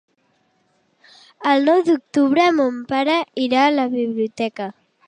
El nou d'octubre mon pare irà a la biblioteca.